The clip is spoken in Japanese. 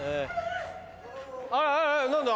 あっ何だ？